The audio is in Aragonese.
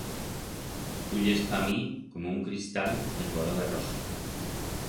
Tu yes pa mi como un cristal de color de rosa.